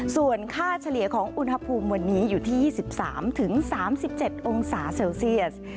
ส่วนค่าเฉลี่ยของอุณหภูมิวันนี้อยู่ที่๒๓๓๗องศาเซลเซียส